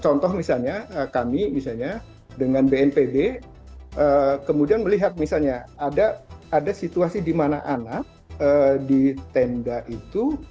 contoh misalnya kami misalnya dengan bnpb kemudian melihat misalnya ada situasi di mana anak di tenda itu